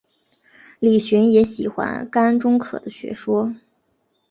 李寻也喜欢甘忠可的学说。